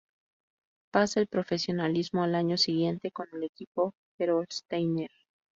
Pasa al profesionalismo al año siguiente con el equipo Gerolsteiner.